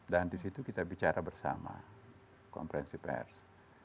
dan di situ kita bicara bersama komprensi pers